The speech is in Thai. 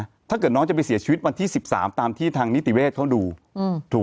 ถ้าเกิดน้องจะไปเสียชีวิตวันที่๑๓ตามที่ทางนิติเวศเขาดูอืมถูก